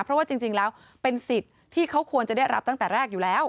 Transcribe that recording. เพราะว่าจริงแล้วเป็นสิทธิ์ที่เขาควรจะได้รับตั้งแต่แรกอยู่แล้ว